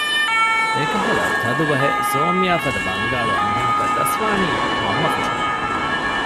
އެކަހަލަ ތަދު ބަހެއް ސޯމްޔާ ފަދަ ބަންގާޅު އަންހެނަކަށް ދަސްވާނީ މަންމަ ފުށުން